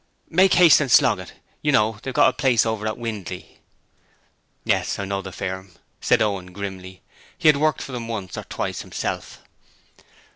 'Makehaste and Sloggit. You know, they've got a place over at Windley.' 'Yes, I know the firm,' said Owen, grimly. He had worked for them once or twice himself.